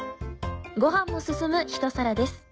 ご飯も進むひと皿です。